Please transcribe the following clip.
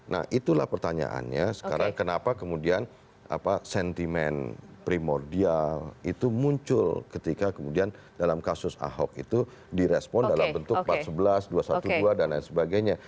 nah itulah pertanyaannya sekarang kenapa kemudian sentimen primordial itu muncul ketika kemudian dalam kasus ahok itu direspon dalam bentuk empat sebelas dua ratus dua belas dan lain sebagainya